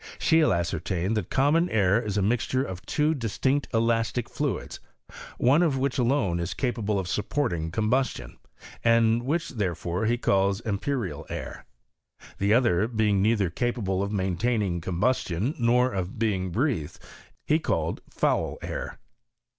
Scheele ascertained that comniim air is a mixture of two distinct elastic fluids, one of ' which alone is capable of supporting combustion, PROGRESS OF CHEMISTRY IV SWEDEN* 69 and which, therefore, he calls empyreal air; the other, being neither capable of maintaining combus tion, nor of being breathed, he cMed foul air.